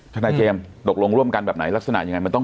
คุณนายเจมส์ตกลงร่วมกันแบบไหนลักษณะยังไง